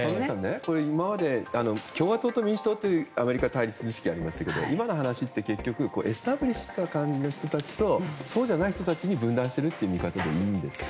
今まで共和党と民主党というアメリカの対立意識があったが今の対立ってエスタブリッシュな感じの人たちとそうじゃない人たちに分断されているという感じでいいんでしょうか？